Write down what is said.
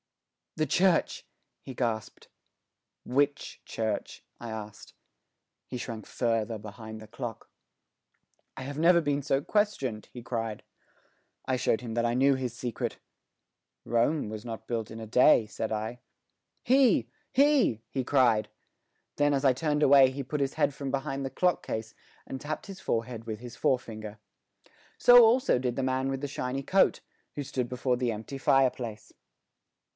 "The church," he gasped. "Which church?" I asked. He shrank farther behind the clock. "I have never been so questioned," he cried. I showed him that I knew his secret, "Rome was not built in a day," said I. "He! He!" he cried. Then, as I turned away, he put his head from behind the clock case and tapped his forehead with his forefinger. So also did the man with the shiny coat, who stood before the empty fireplace.